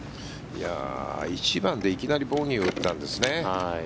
１番でいきなりボギーを打ったんですね。